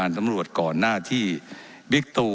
ว่าการกระทรวงบาทไทยนะครับ